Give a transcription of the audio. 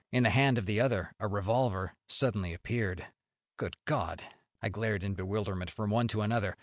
In the hand of the other a revolver suddenly appeared. Good God! I glared in bewilderment from one to another.